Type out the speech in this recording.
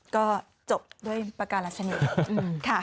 ก็จบด้วยประการัชนีค่ะ